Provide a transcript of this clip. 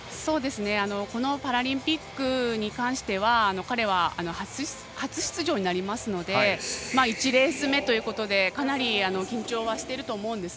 このパラリンピックに関しては彼は、初出場なので１レース目ということでかなり緊張はしてると思います。